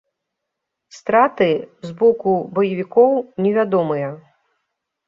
Страты з боку баевікоў невядомыя.